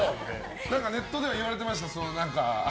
ネットでは言われてましたね。